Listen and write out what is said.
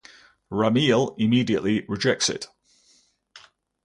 Remiel immediately rejects it.